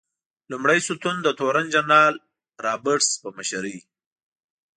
لومړی ستون د تورن جنرال رابرټس په مشرۍ.